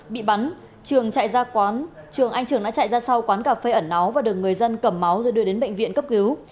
bị bắn trường anh trường đã chạy ra sau quán cà phê ẩn nó và được người dân cầm máu rồi đưa đến bệnh viện cấp cứu